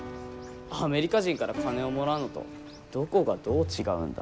アメリカ人から金をもらうのとどこがどう違うんだ？